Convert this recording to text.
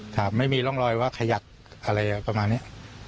ครับไม่มีร่องรอยว่าขยักอะไรประมาณนี้